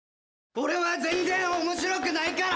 俺は全然面白くないから！